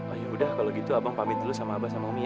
oh ya udah kalau gitu abang pamit dulu sama abah sama umi ya